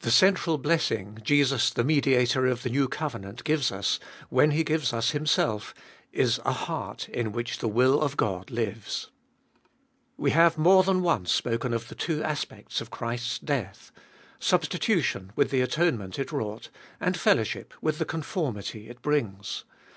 The central blessing, Jesus, the Mediator of the new covenant, gives us, when He gives us Himself, is a heart in which the will of God lives. We have more than once spoken of the two aspects of Christ's death — substitution with the atonement it wrought, and fellow ship with the conformity it brings.